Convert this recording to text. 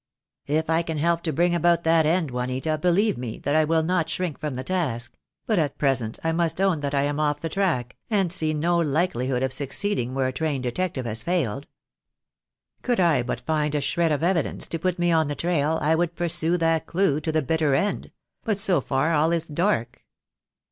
'' "If I can help to bring about that end, Juanita, be lieve me that I will not shrink from the task; but at pre sent I must own that I am off the track, and see no likelihood of succeeding where a trained detective has failed. Could I but find a shred of evidence to put me on the trail, I would pursue that clue to the bitter end; but so far all is dark."